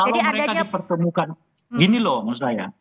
kalau mereka dipertemukan gini loh menurut saya